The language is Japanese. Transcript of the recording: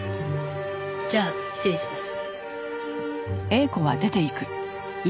じゃあ失礼します。